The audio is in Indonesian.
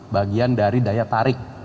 bagian dari daya tarik